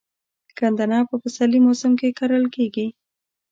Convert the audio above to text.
ګندنه په پسرلي موسم کې کرل کیږي.